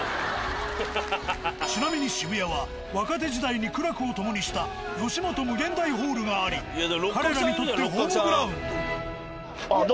ちなみに渋谷は若手時代に苦楽を共にしたヨシモト∞ホールがあり彼らにとってホームグラウンド。